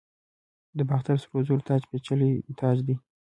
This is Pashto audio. د باختر سرو زرو تاج پیچلی تاج دی